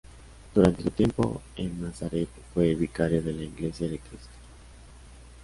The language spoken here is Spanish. Durante su tiempo en Nazaret fue vicario de la Iglesia de Cristo.